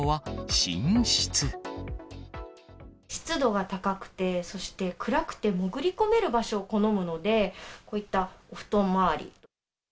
湿度が高くて、そして暗くて、潜り込める場所を好むので、こういったお布団周り。